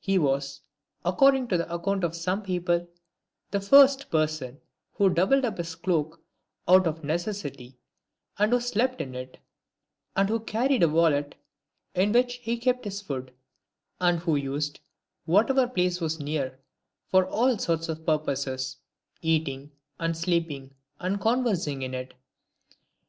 He was, according to the account of some people, the first person who doubled up his cloak out of necessity, and who slept in it ; and who carried a wallet, in which he kept his food ; and who used whatever place was near for all sorts of purposes, eating, and sleeping, and conversing in it.